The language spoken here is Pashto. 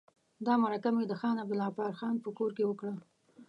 دا مرکه مې د خان عبدالغفار خان په کور کې وکړه.